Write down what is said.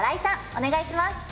お願いします。